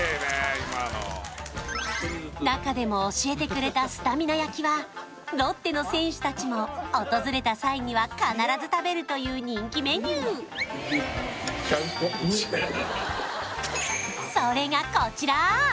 今の中でも教えてくれたスタミナ焼きはロッテの選手たちも訪れた際には必ず食べるという人気メニューうぇーい！